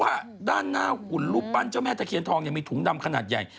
ว่าด้านหน้าหุ่นรูปปั้นเจ้าแม่ตะเคียนทองยังมีถุงดำขนาดใหญ่